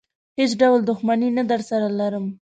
هېڅ ډول دښمني نه درسره لرم.